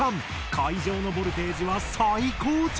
会場のボルテージは最高潮に！